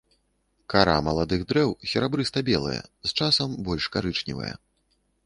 Кара маладых дрэў серабрыста-белая, з часам больш карычневая.